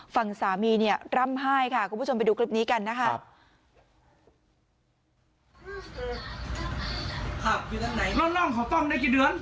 ฝั่งสามีเนี่ยร่ำไห้ค่ะคุณผู้ชมไปดูคลิปนี้กันนะครับ